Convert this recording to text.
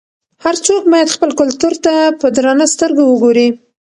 هر څوک باید خپل کلتور ته په درنه سترګه وګوري.